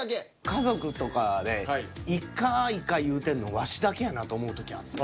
家族とかで「イカイカ」言うてんのワシだけやなと思う時あんねん。